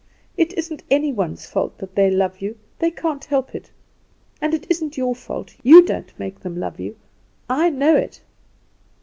It isn't any one's fault that they love you; they can't help it. And it isn't your fault; you don't make them love you. I know it."